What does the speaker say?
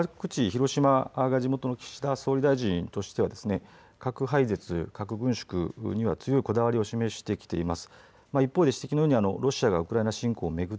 広島が地元の岸田総理大臣としては核廃絶、核軍縮には強いこだわりを示してきています。